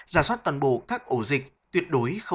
giả soát toàn bộ các ổ dịch